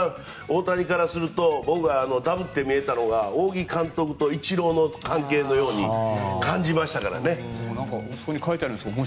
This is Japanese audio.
僕、ダブって見えたのが仰木監督とイチローの関係のように感じましたからね。